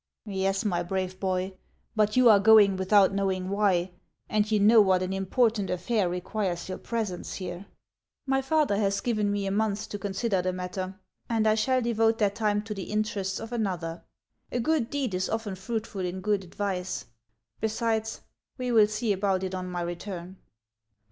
" Yes, my brave boy ; but you are going without know ing why, and you know what an important affair requires your presence here." " My father has given me a month to consider the matter, and I shall devote that time to the interests of another. A good deed is often fruitful in good advice. Besides, we will see about it on my return."